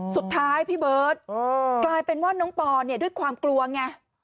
สุดท้ายพี่เบิร์ตกลายเป็นว่าน้องปอเนี่ยด้วยความกลัวไง